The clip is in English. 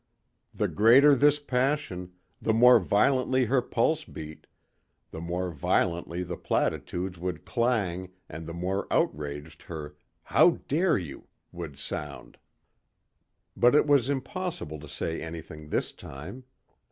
The greater this passion, the more violently her pulse beat, the more violently the platitudes would clang and the more outraged her "how dare you?" would sound. But it was impossible to say anything this time.